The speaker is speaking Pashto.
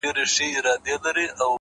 پوهه د انتخابونو شمېر زیاتوي.!